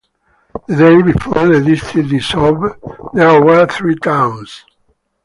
The day before the district dissolved, there were three towns.